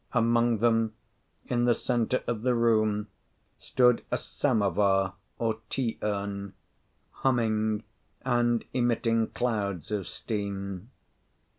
Among them, in the centre of the room, stood a samovar or tea urn, humming and emitting clouds of steam.